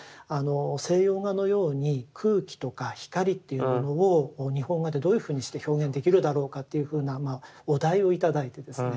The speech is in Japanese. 西洋画のように空気とか光というものを日本画でどういうふうにして表現できるだろうかというふうなまあお題を頂いてですね